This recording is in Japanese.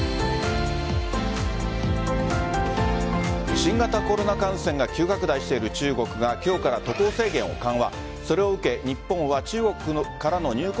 新型コロナ感染が急拡大している中国が今日から渡航制限を緩和。